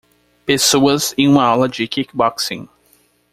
Pessoas em uma aula de kickboxing.